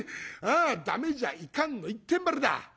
『駄目じゃ』『いかん』の一点張りだ。